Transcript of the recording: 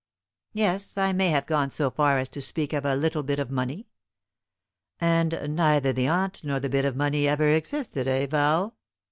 "Yes. I may have gone so far as to speak of a little bit of money." "And neither the aunt nor the bit of money ever existed, eh, Val?